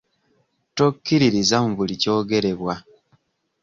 Tokkiririza mu buli kyogerebwa.